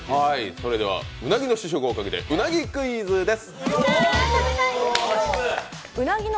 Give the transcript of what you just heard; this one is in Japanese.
うなぎの試食をかけて、うなぎクイズです。